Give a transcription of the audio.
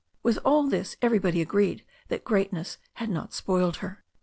But with all this everybody agreed that greatness had not spoiled her.